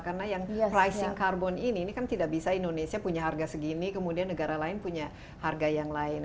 karena yang pricing carbon ini kan tidak bisa indonesia punya harga segini kemudian negara lain punya harga yang lain